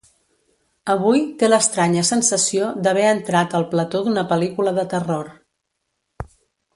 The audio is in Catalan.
Avui té l'estranya sensació d'haver entrat al plató d'una pel·lícula de terror.